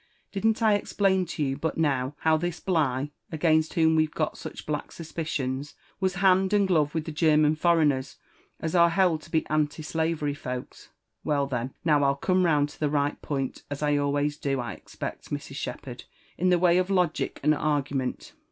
Didn't I explain to you but now how this Bligh, against whom we're got such black suspicions, was hand and glove with the German foreigners aa are held to be aotl^ slavery folks ?— ^eH, then, now I'll come round to the right point, as t always do« I expeot, Mrs. Shepherd, in the way of logic and argu* ment.